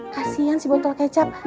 kasian sih botol kecap